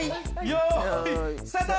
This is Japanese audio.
よーいスタート！